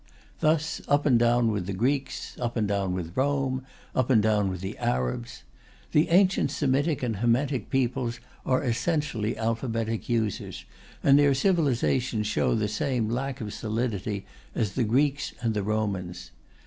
Thus up and down with the Greeks; up and down with Rome; up and down with the Arabs. The ancient Semitic and Hametic peoples are essentially alphabetic users, and their civilizations show the same lack of solidity as the Greeks and the Romans.